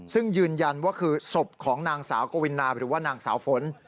ซึ่งยืนยันว่าคือศพของนางสาวกวินาหรือว่านางสาวฝน